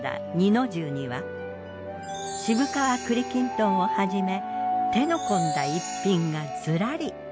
之重には渋皮栗金団をはじめ手の込んだ逸品がずらり。